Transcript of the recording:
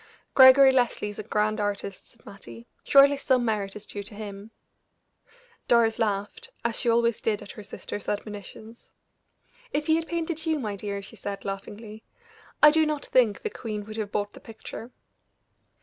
"Gregory Leslie is a grand artist," said Mattie. "Surely some merit is due to him." Doris laughed, as she always did at her sister's admonitions. "If he had painted you, my dear," she said, laughingly, "I do not think the queen would have bought the picture."